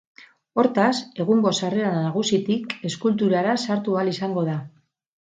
Hortaz, egungo sarrera nagusitik eskulturara sartu ahal izango da.